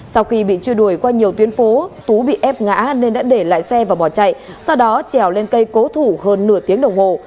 sau khi bị truy đuổi qua nhiều tuyến phố tú bị ép ngã nên đã để lại xe và bỏ chạy sau đó trèo lên cây cố thủ hơn nửa tiếng đồng hồ